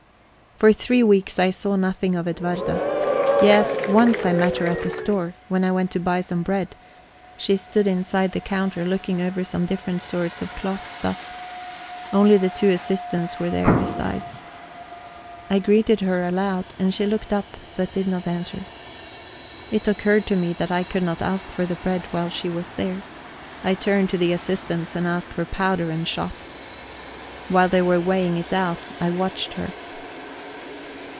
For three weeks I saw nothing of Edwarda. Yes, once I met her at the store: when I went to buy some bread, she stood inside the counter looking over some different sorts of cloth stuff. Only the two assistants were there besides. I greeted her aloud, and she looked up, but did not answer. It occurred to me that I could not ask for bread while she was there; I turned to the assistants and asked for powder and shot. While they were weighing it out, I watched her.